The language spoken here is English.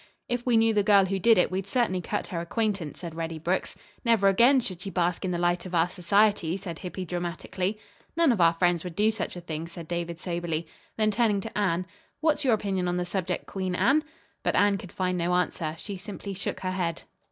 "If we knew the girl who did it, we'd certainly cut her acquaintance," said Reddy Brooks. "Never again should she bask in the light of our society," said Hippy dramatically. "None of our friends would do such a thing," said David soberly. Then, turning to Anne, "What's your opinion on the subject, Queen Anne?" But Anne could find no answer. She simply shook her head.